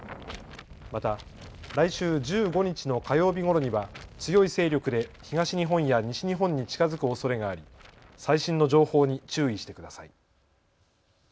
また来週１５日の火曜日ごろには強い勢力で東日本や西日本に近づくおそれがあり最新の情報に注意してください。